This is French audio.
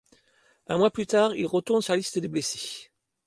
Un mois plus tard, il retourne sur la liste des blessés.